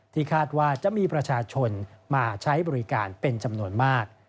คาดว่าจะมีประชาชนมาใช้บริการเป็นจำนวนมาก